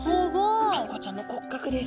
あんこうちゃんの骨格です。